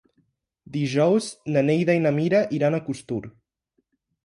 Dijous na Neida i na Mira iran a Costur.